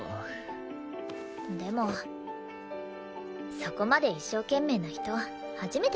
でもそこまで一生懸命な人初めて見た。